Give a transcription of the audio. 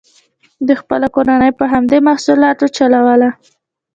دوی خپله کورنۍ په همدې محصولاتو چلوله.